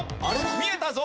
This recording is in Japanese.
見えたぞ。